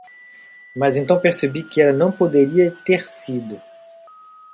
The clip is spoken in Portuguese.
Mas então percebi que ela não poderia ter sido.